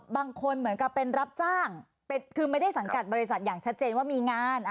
บางคนเหมือนกับเป็นรับจ้างคือไม่ได้สังกัดบริษัทอย่างชัดเจนว่ามีงาน